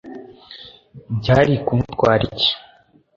byari ku mutwara iki